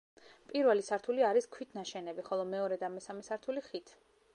პირველი სართული არის ქვით ნაშენები, ხოლო მეორე და მესამე სართული ხით.